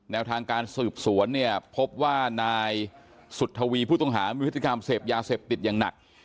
ทางการสืบสวนเนี่ยพบว่านายสุธวีผู้ต้องหามีพฤติกรรมเสพยาเสพติดอย่างหนัก